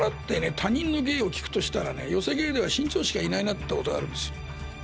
他人の芸を聞くとしたらね寄席芸では志ん朝しかいないなってことがあるんです。